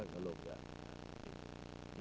kalau nggak kalau nggak